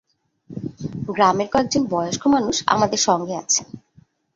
গ্রামের কয়েক জন বয়স্ক মানুষ আমাদের সঙ্গে আছেন।